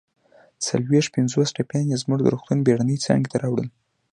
څلويښت پنځوس ټپیان يې زموږ د روغتون بېړنۍ څانګې ته راوړل